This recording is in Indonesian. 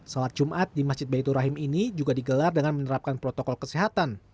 sholat jumat di masjid baitur rahim ini juga digelar dengan menerapkan protokol kesehatan